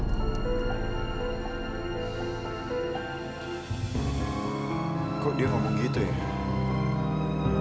kok dia ngomong gitu ya